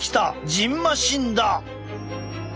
じんましんだ！